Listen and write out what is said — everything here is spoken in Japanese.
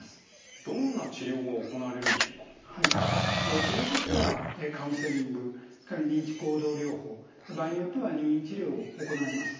治療としてはカウンセリング認知行動療法場合によっては入院治療を行います。